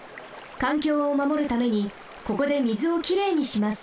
かんきょうをまもるためにここで水をきれいにします。